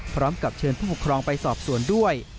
พร้อมกับเชิญผู้ปกครองไปสอบสวนด้วย